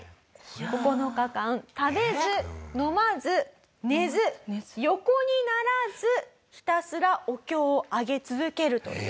９日間食べず飲まず寝ず横にならずひたすらお経をあげ続けるという修行です。